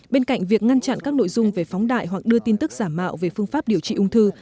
bên cạnh việc ngăn chặn các nội dung về phóng đại hoặc đưa tin tức giả mạo về phương pháp điều trị ung thư